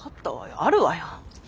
あるわよ。